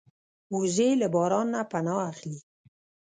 وزې له باران نه پناه اخلي